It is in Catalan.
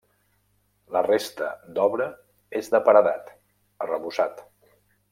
La resta d'obra és de paredat, arrebossat.